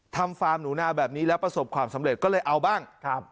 ฟาร์มหนูนาแบบนี้แล้วประสบความสำเร็จก็เลยเอาบ้างครับ